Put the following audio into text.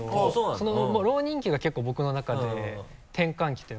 その浪人期が結構僕の中で転換期というか。